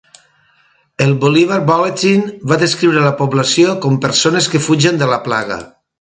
El "Bolivar Bulletin" va descriure la població com "persones que fugen de la plaga".